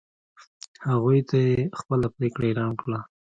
هغوی ته یې خپله پرېکړه اعلان کړه.